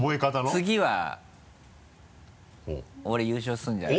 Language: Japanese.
次は俺優勝するんじゃない？